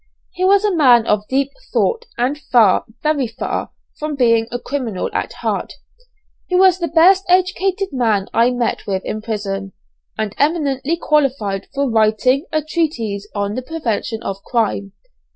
He was a man of deep thought, and far, very far, from being a criminal at heart. He was the best educated man I met with in prison, and eminently qualified for writing a treatise on the prevention of crime.